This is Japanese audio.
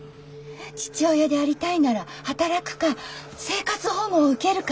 父親でありたいなら働くか生活保護を受けるか。